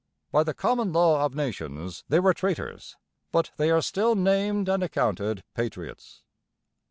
By the common law of nations they were traitors; but they are still named and accounted 'patriots.'